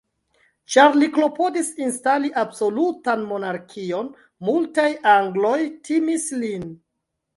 Ĉar li klopodis instali absolutan monarkion, multaj angloj timis lin.